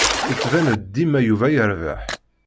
Yettbin-d dima Yuba yerbeḥ.